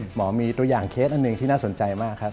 หมอมีตัวอย่างเคสอันหนึ่งที่น่าสนใจมากครับ